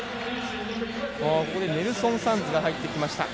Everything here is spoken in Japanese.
ネルソン・サンスが入ってきました。